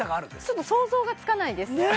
ちょっと想像がつかないです